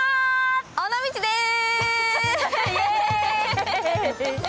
尾道です。